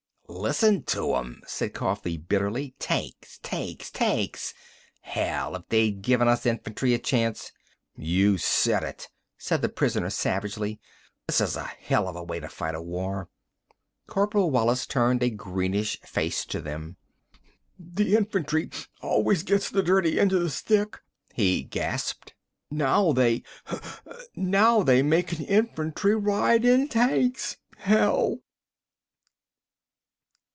"Listen to 'em," said Coffee bitterly. "Tanks! Tanks! Tanks! Hell! If they'd given us infantry a chance—" "You said it," said the prisoner savagely. "This is a hell of a way to fight a war." Corporal Wallis turned a greenish face to them. "The infantry always gets the dirty end of the stick," he gasped. "Now they—now they' makin' infantry ride in tanks! Hell!"